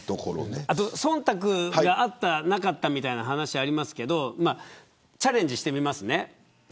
あと忖度があった、なかったみたいな話がありましたけどチャレンジしてみますね。